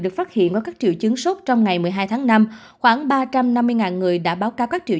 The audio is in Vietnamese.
được phát hiện ở các triệu chứng sốt trong ngày một mươi hai tháng năm khoảng ba trăm năm mươi người đã báo cáo các triệu